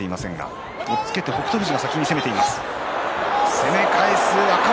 攻め返す若元